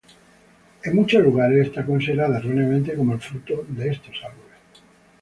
En muchos lugares es considerada erróneamente como el fruto de estos árboles.